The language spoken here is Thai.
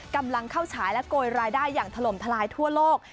กำลังเข้าฉายและโกยรายได้อย่างถล่มทลายทั่วโลก